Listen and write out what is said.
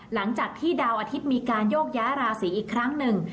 หลังจากที่ดาวอาทิตย์มีการโยกย้ายราศีอีกครั้งหนึ่ง